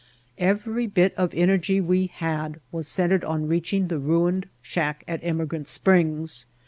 Every bit of energy we had was centered on reaching the ruined shack at Emigrant Springs.